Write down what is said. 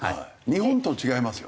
日本と違いますよ。